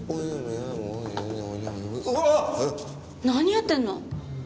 何やってんの？